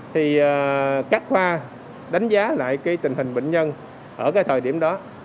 thì các khoa đánh giá lại tình hình bệnh nhân ở thời điểm đó